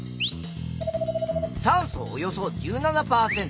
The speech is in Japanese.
酸素およそ１７％。